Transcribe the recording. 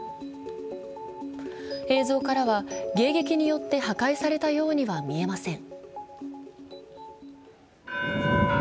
映像からは、迎撃によって破壊されたようには見えません。